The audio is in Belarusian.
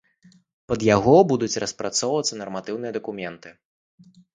Пад яго будуць распрацоўвацца нарматыўныя дакументы.